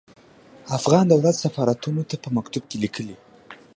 افغان دولت سفارتونو ته په مکتوب کې ليکلي.